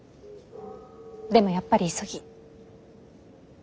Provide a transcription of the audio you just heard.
でもやっぱり急ぎ。